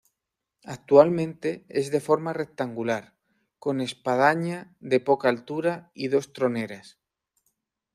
Actualmente es de forma rectangular, con espadaña de poca altura y dos troneras.